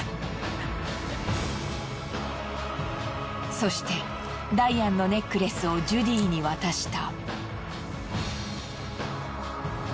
そしてダイアンのネックレスをジュディに渡した。